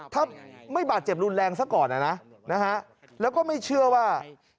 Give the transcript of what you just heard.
ถ้าไม่บาดเจ็บรุนแรงซะก่อนนะนะฮะแล้วก็ไม่เชื่อว่า